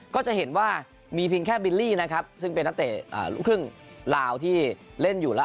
ก็จะเห็นว่ามีเพียงแค่บิลลี่นะครับซึ่งเป็นนักเตะลูกครึ่งลาวที่เล่นอยู่แล้ว